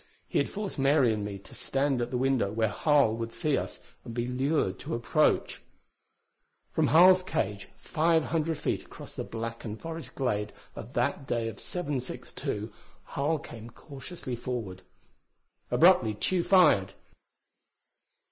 He had forced Mary and me to stand at the window where Harl would see us and be lured to approach. From Harl's cage, five hundred feet across the blackened forest glade of that day of 762, Harl came cautiously forward. Abruptly Tugh fired.